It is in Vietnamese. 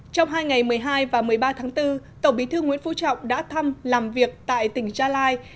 trong hai ngày một mươi hai và một mươi ba tháng bốn tổng bí thư nguyễn phú trọng đã thăm làm việc tại tỉnh gia lai